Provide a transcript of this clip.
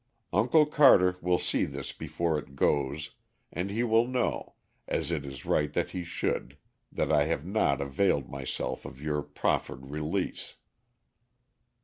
"Uncle Carter will see this before it goes, and he will know, as it is right that he should, that I have not availed myself of your proffered release...."